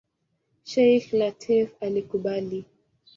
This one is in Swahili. Sheikh Lateef alikubali.